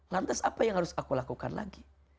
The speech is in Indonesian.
lantas apa yang harus aku lakukan lagi